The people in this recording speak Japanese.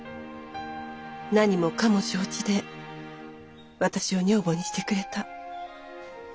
何もかも承知で私を女房にしてくれた。